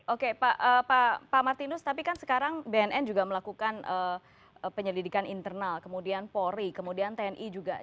oke pak martinus tapi kan sekarang bnn juga melakukan penyelidikan internal kemudian polri kemudian tni juga